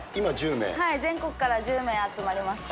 全国から１０名、集まりまし